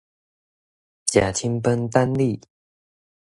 食凊飯等你